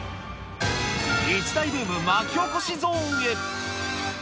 一大ブーム巻き起こしゾーンへ。